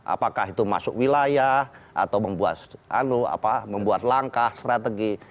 apakah itu masuk wilayah atau membuat langkah strategi